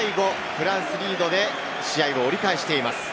フランスリードで試合を折り返しています。